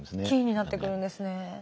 キーになってくるんですね。